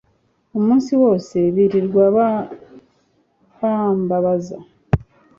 umunsi wose birirwa bambabaza